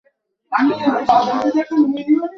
তিনি আয়েশা মা ও শিশু সুরক্ষা সংস্থার এক্সিকিউটিভ ডিরেক্টর।